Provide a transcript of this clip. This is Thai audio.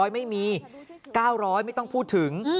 ไม่มี๙๐๐ไม่ต้องพูดถึง